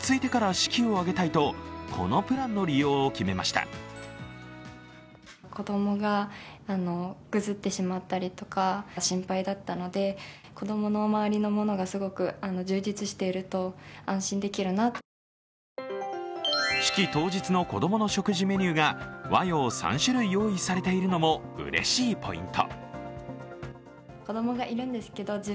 式当日の子供の食事メニューが和洋３種類用意されているのもうれしいポイント。